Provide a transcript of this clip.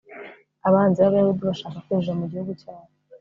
abanzi b'abayahudi bashaka kwinjira mu gihugu cyabo